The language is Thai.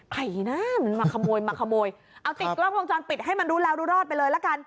ใครนะมันมาขโมยมาขโมยเอาติดกล้องวงจรปิดให้มันรู้แล้วรู้รอดไปเลยละกัน